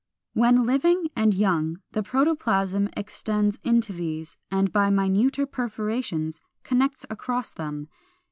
When living and young the protoplasm extends into these and by minuter perforations connects across them.